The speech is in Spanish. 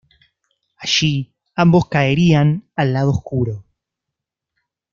Allí, ambos caerían al lado oscuro.